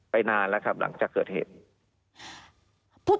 นานแล้วครับหลังจากเกิดเหตุ